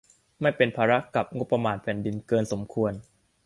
ไม่เป็นภาระกับงบประมาณแผ่นดินเกินสมควร